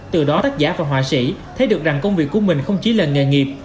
từ đó tác giả và họa sĩ thấy được rằng công việc của mình không chỉ là nghề nghiệp